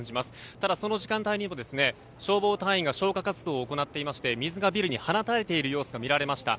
ただ、その時間帯にも消防隊員が消火活動を行っていまして水がビルに放たれている様子が見られました。